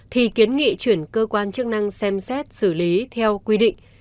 thì kiến nghị chuyển cơ quan chức năng xem xét xử lý theo quy định